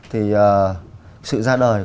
thì sự ra đời